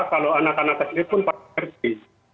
kalau anak anak kecil pun pasti